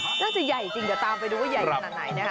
น่าจะใหญ่จริงเดี๋ยวตามไปดูว่าใหญ่ขนาดไหนนะคะ